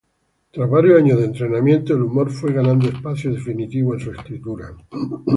Tras varios años de entrenamiento, el humor fue ganando espacio definitivo en su escritura.